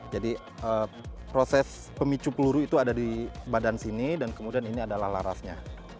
jadi proses pemicu peluru itu ada di badan sini dan kemudian ini adalah larasnya